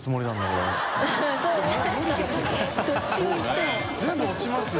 村上）全部落ちますよ